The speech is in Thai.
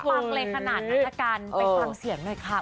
ฟังเลยขนาดนั้นละกันไปฟังเสียงหน่อยค่ะ